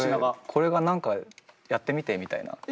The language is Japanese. これが何かやってみてみたいな。